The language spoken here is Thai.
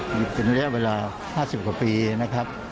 มีเป็นระยะเวลา๕๐กว่าปีนะครับ